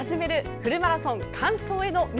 フルマラソン完走への道」。